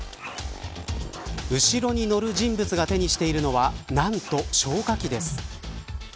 後ろに乗る人物が手にしているのは何と、消火器です。